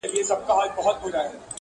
هره امپراتوري یوه ورځ سقوط کوي